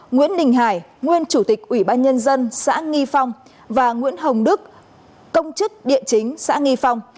nguyễn đình hải nguyên chủ tịch ủy ban nhân dân xã nghi phong và nguyễn hồng đức công chức địa chính xã nghi phong